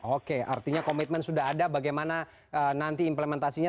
oke artinya komitmen sudah ada bagaimana nanti implementasinya